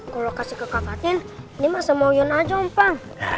kalo kasih ke kak fatin ini mah sama uyun aja om pang